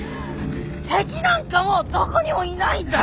敵なんかもうどこにもいないんだよ！